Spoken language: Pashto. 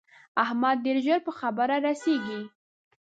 احمد ډېر ژر په خبره رسېږي.